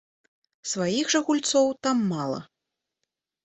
Сваіх жа гульцоў там мала.